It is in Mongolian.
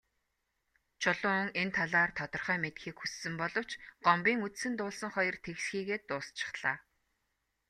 Чулуун энэ талаар тодорхой мэдэхийг хүссэн боловч Гомбын үзсэн дуулсан хоёр тэгсхийгээд дуусчихлаа.